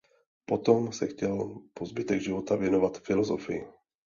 Potom se chtěl po zbytek života věnovat filosofii.